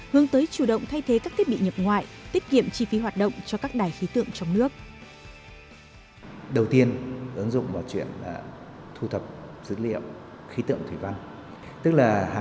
hướng tới chủ động thay thế các thiết bị nhập ngoại tiết kiệm chi phí hoạt động cho các đài khí tượng trong nước